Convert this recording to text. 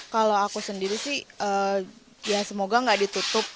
kalau aku sendiri sih ya semoga nggak ditutup